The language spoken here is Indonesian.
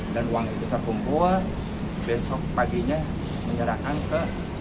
dan uang itu terkumpul besok paginya menyerahkan ke